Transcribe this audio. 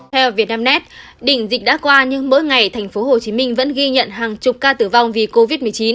theo vietnamnet đỉnh dịch đã qua nhưng mỗi ngày tp hcm vẫn ghi nhận hàng chục ca tử vong vì covid một mươi chín